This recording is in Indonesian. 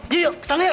yuk yuk kesana yuk